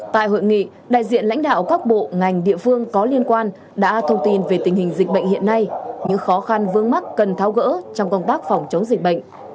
tại hội nghị đại diện lãnh đạo các bộ ngành địa phương có liên quan đã thông tin về tình hình dịch bệnh hiện nay những khó khăn vương mắc cần tháo gỡ trong công tác phòng chống dịch bệnh